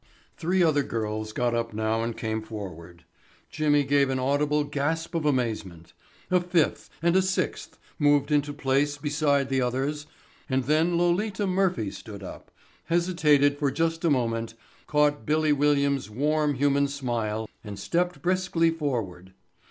Three other girls got up now and came forward. Jimmy gave an audible gasp of amazement. A fifth and a sixth moved into place beside the others and then Lolita Murphy stood up, hesitated for just a moment, caught "Billy" Williams' warm human smile and stepped briskly forward.